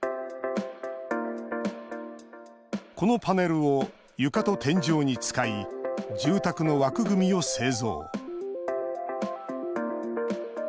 このパネルを床と天井に使い住宅の枠組みを製造。